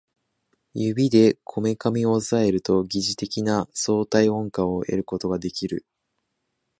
指でこめかみを抑えると疑似的な相対音感を得ることができる